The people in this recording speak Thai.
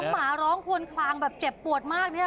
หมาร้องควนคลางแบบเจ็บปวดมากเนี่ย